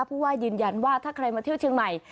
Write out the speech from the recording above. ผู้ว่ายืนยันว่าถ้าใครมาเที่ยวเชียงใหม่